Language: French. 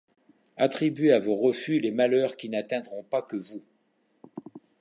Attribuez à vos refus les malheurs qui n’atteindront pas que vous.